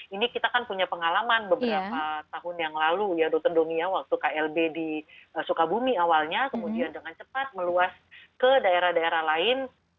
ini kita kan punya pengalaman beberapa tahun yang lalu ya dokter domia waktu klb di sukabumi awalnya kemudian dengan cepat meluas ke daerah daerah lain